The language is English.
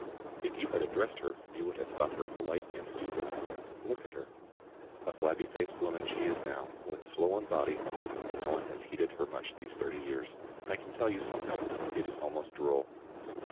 If you had addressed her you would have thought her polite and stupid. Look at her. A flabby faced woman she is now, with a swollen body, and no one has heeded her much these thirt)* years. I can tell you something ; it is almost droll.